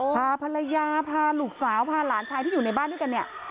พาภรรยาพาลูกสาวพาหลานชายที่อยู่ในบ้านด้วยกันเนี่ย